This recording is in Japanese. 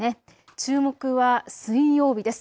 注目は水曜日です。